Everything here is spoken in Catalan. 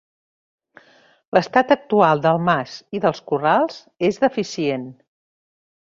L’estat actual del mas i dels corrals és deficient.